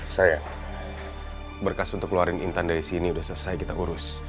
saya berkas untuk ngeluarin intan dari sini udah selesai kita urus